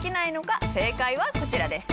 正解はこちらです。